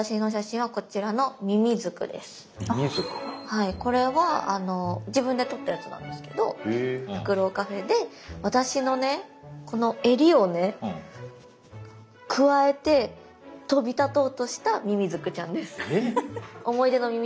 はいこれは自分で撮ったやつなんですけどフクロウカフェで私のねこの襟をねくわえて飛び立とうとしたミミズクちゃんです。